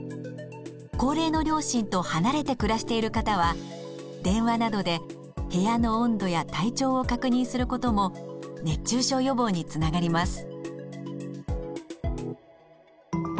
高齢の両親と離れて暮らしている方は電話などで部屋の温度や体調を確認することも熱中症予防につながります。